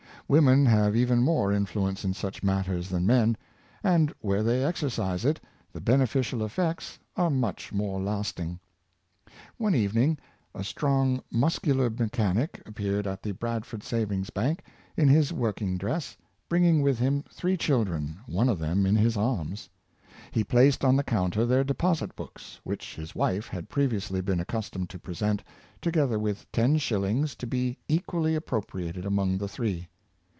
Women have even more influence in such matters than men; and where they exercise it, the beneficial eflfects are much more lasting. One evening, a strong, muscular mechanic appeared at the Bradford Savings bank in his working dress, bringing with him three children, one of them in his arms. He placed on the counter their deposit books, which his wife had previously been accustomed to pre sent, together with ten shillings, to be equally appor tioned among the three.